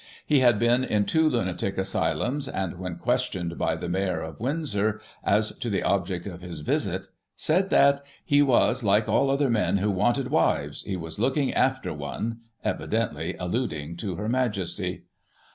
He had been in two lunatic asylums, and when questioned by the Mayor of Windsor, as to the object of his visit, said that :" he was like all other men who wanted wives — ^he was looking after one," evidently alluding to Her Majesty.